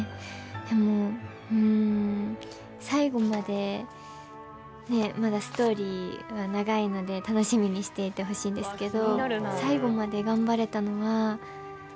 でも、最後までまだストーリーは長いので楽しみにしていてほしいんですけど。